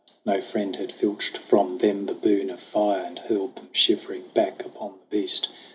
No friend had filched from them the boon of fire And hurled them shivering back upon the beast.